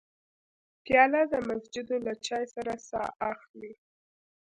پیاله د مسجدو له چای سره ساه اخلي.